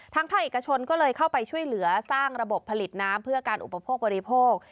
ภาคเอกชนก็เลยเข้าไปช่วยเหลือสร้างระบบผลิตน้ำเพื่อการอุปโภคบริโภค